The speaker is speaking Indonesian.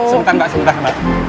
sebentar mbak sebentar mbak